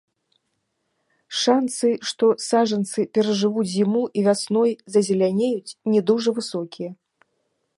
Шанцы, што саджанцы перажывуць зіму і вясной зазелянеюць, не дужа высокія.